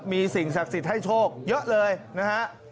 มีสิ่งศักดิ์สิทธิ์ให้โชคเยอะเลยนะฮะ